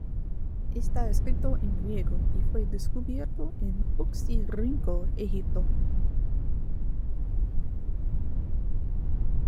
Está escrito en griego, y fue descubierto en Oxirrinco, Egipto.